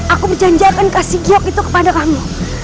aku berjanjian akan kasih yogiok itu kepadamu